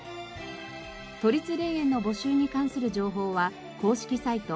都立霊園の募集に関する情報は公式サイト